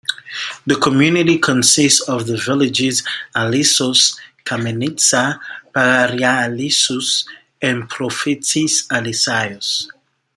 The community consists of the villages Alissos, Kamenitsa, Paralia Alissou and Profitis Elissaios.